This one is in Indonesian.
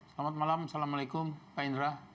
selamat malam assalamualaikum pak indra